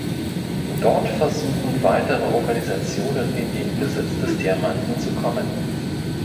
Dort versuchen weitere Organisationen in den Besitz des Diamanten zu kommen.